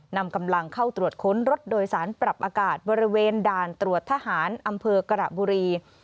นำกำลังเข้าตรวจค้นรถโดยสารปรับอากาศบริเวณด่านตรวจทหารอำเภอกระบุรี